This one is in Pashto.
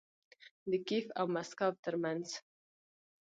د کیف او مسکو ترمنځ